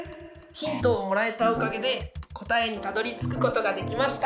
ヒントをもらえたおかげで答えにたどりつくことができました。